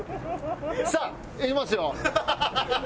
さあ行きますよ。